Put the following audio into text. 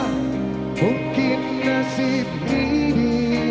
mungkin nasib diri